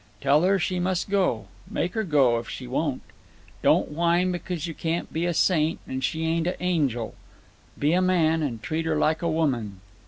Tell her she must go; make her go, if she won't. Don't whine because you can't be a saint, and she ain't an angel. Be a man and treat her like a woman.